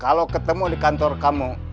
kalau ketemu di kantor kamu